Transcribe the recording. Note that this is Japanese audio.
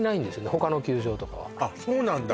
他の球場とかはあっそうなんだ